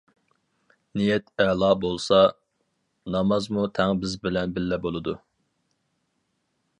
نىيەت ئەلا بولسا، نامازمۇ تەڭ بىز بىلەن بىللە بولىدۇ.